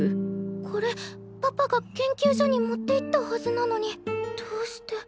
これパパが研究所に持っていったはずなのにどうして。